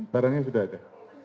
barangnya sudah ada